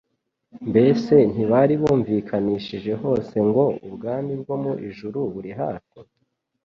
Mbese ntibari bumvikanishije hose ngo: Ubwami bwo mu ijuru buri hafi?